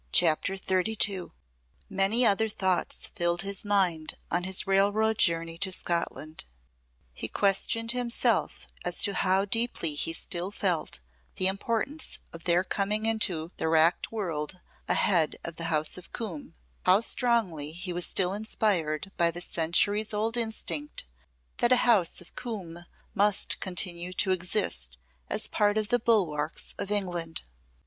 CHAPTER XXXII Many other thoughts filled his mind on his railroad journey to Scotland. He questioned himself as to how deeply he still felt the importance of there coming into the racked world a Head of the House of Coombe, how strongly he was still inspired by the centuries old instinct that a House of Coombe must continue to exist as part of the bulwarks of England.